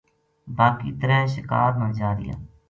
باقی ترے شِکار نا جا رہیا